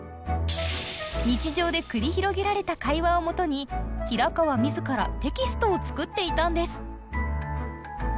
日常で繰り広げられた会話を基に平川自らテキストを作っていたんです。